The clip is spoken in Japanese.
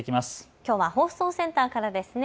きょうは放送センターからですね。